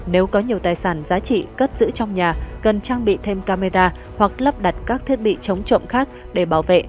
nếu có nhiều tài sản giá trị cất giữ trong nhà cần trang bị thêm camera hoặc lắp đặt các thiết bị chống trộm khác để bảo vệ